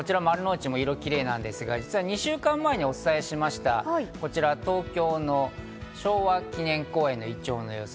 こちら丸の内も色が綺麗なんですが実は２週間前にお伝えしました、こちら、東京の昭和記念公園のイチョウの様子。